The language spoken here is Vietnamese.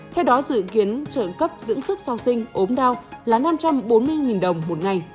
theo đó dự kiến trợ cấp dưỡng sức sau sinh ốm đau là năm trăm bốn mươi đồng một ngày